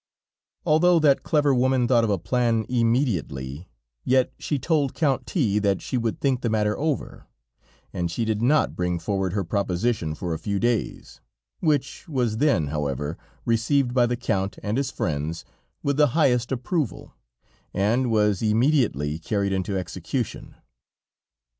Although that clever woman thought of a plan immediately, yet she told Count T that she would think the matter over, and she did not bring forward her proposition for a few days, which was then, however, received by the Count and his friends with the highest approval, and was immediately carried into execution.